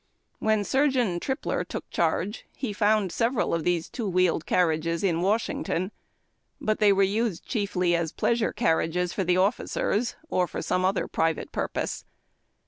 When Surgeon Trijiler took charge, he found several of these two wheeled carriages in Washington, but they were used chiefly as pleasure carriages for officers, or for some other private purpose.